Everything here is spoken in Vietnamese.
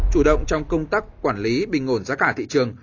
chủ động trong công tác quản lý bình ổn giá cả thị trường